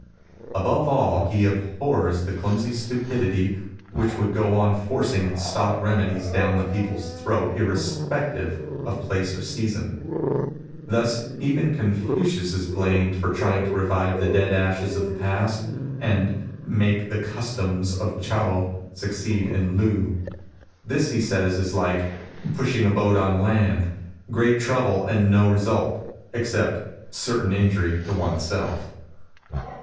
Above all, he abhors the clumsy stupidity which would go on forcing its stock remedies down the people's throat irrespective of place or season. Thus even Confucius is blamed for trying to revive the dead ashes of the past and ''make the customs of Chou succeed in Lu." This, he says, is like " pushing a boat on land, great trouble and no result, except certain injury 24 MUSINGS OF A CHINESE MYSTIC to oneself.''